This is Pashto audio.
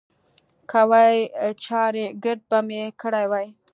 که وای، چارېګرد به مې کړی وای.